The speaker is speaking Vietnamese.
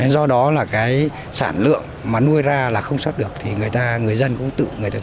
do đó là cái sản lượng mà nuôi ra là không xuất được thì người dân cũng tự người ta chuyển đổi sang các con nuôi khác